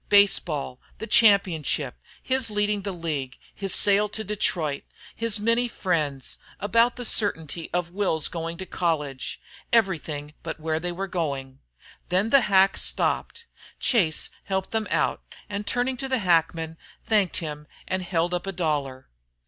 Baseball, the championship, his leading the league, his sale to Detroit, his many friends, about the certainty of Will's going to college everything but where they were going. Then the hack stopped. Chase helped them out, and turning to the hackman, thanked him and held up a dollar.